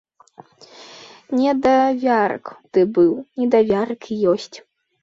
Недавярак ты быў, недавярак і ёсць!